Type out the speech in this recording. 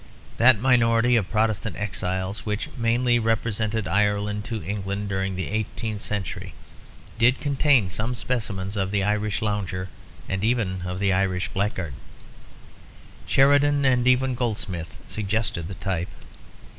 That minority of Protestant exiles which mainly represented Ireland to England during the eighteenth century did contain some specimens of the Irish lounger and even of the Irish blackguard; Sheridan and even Goldsmith suggest the type.